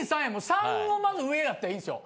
３をまず上やったらいいんすよ。